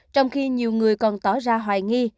trong khi nhiều người còn tỏ ra hoài nghi